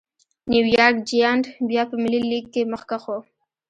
نیویارک جېانټ بیا په ملي لېګ کې مخکښ و.